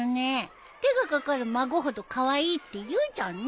手が掛かる孫ほどカワイイって言うじゃんね。